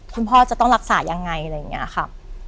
คุณพ่อจะต้องรักษายังไงอะไรอย่างนี้ค่ะ